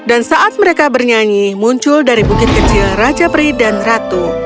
dan saat mereka bernyanyi muncul dari bukit kecil raja peri dan ratu